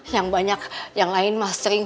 yang banyak yang lain mas sering